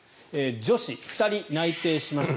女子、２人内定しました。